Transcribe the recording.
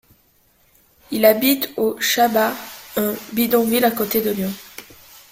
Il habite au Chaâba, un bidonville à côté de Lyon.